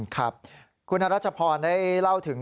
ครับขุนฮร์ฐราชพลได้เล่าถึง